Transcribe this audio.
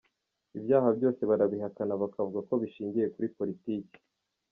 Ibyaha byose barabihakana bakavuga ko bishingiye kuri politiki.